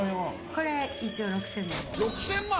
これ、一応６０００万。